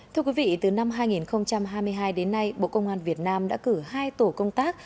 thưa quý vị từ năm hai nghìn hai mươi hai đến nay bộ công an việt nam đã cử hai tổ công tác